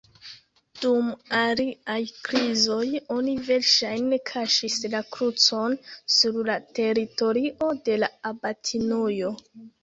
Dum aliaj krizoj oni verŝajne kaŝis la krucon sur la teritorio de la abatinujo.